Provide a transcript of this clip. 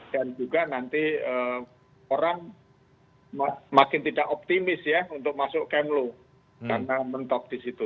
dan juga nanti orang makin tidak optimis ya untuk masuk kemlu karena mentok di situ